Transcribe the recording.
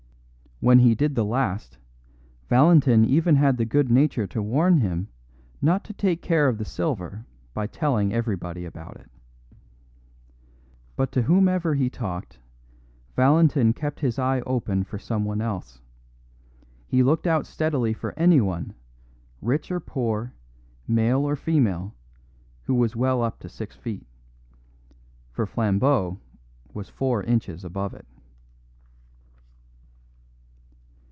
When he did the last, Valentin even had the good nature to warn him not to take care of the silver by telling everybody about it. But to whomever he talked, Valentin kept his eye open for someone else; he looked out steadily for anyone, rich or poor, male or female, who was well up to six feet; for Flambeau was four inches above it.